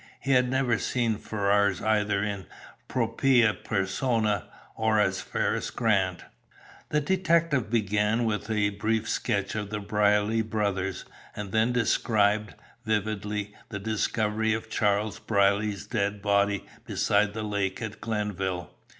He had never seen Ferrars either in propria persona, or as Ferriss Grant. The detective began with a brief sketch of the Brierly brothers, and then described, vividly, the discovery of Charles Brierly's dead body beside the lake at Glenville.